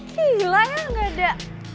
gila ya gak ada